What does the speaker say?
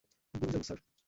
Gunjan - sir!